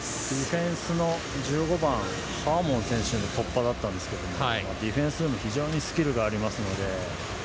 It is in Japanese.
ディフェンスの１５番の選手の突破だったんですけどもディフェンスでも非常にスキルがありますので。